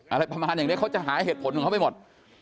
อะไรประมาณอย่างนี้เขาจะหาเหตุผลของเขาไปหมด